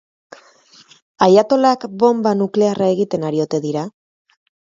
Ayatolak bonba nuklearra egiten ari ote dira?